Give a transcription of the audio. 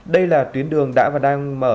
đây là tuyến đường đã và đang mở